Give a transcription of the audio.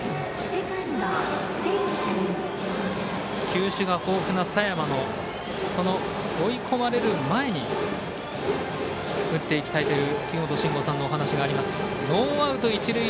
球種が豊富な佐山に追い込まれる前に打っていきたいという杉本真吾さんのお話があります。